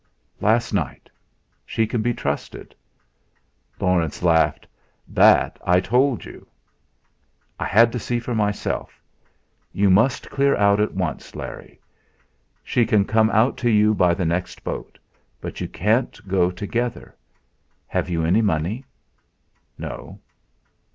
"Last night. She can be trusted." Laurence laughed. "That I told you." "I had to see for myself. You must clear out at once, Larry. She can come out to you by the next boat; but you can't go together. Have you any money?" "No."